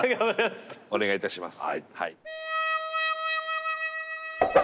お願いいたします。